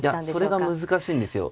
それが難しいんですよ。